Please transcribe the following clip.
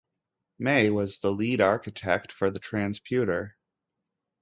May was lead architect for the transputer.